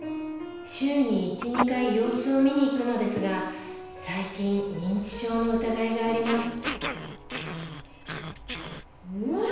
週に１２回様子を見に行くのですが最近認知症の疑いがありますうわっ！